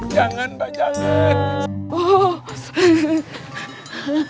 jangan mbak jangan